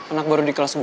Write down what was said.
anak baru di kelas gue